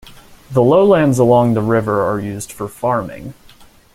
The lowlands along the river are used for farming.